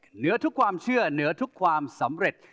เหนือทุกความเชื่อเหนือทุกความสำเร็จ